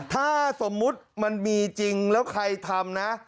ถ้าสมมุติมันมีจริงแล้วใครทำนะ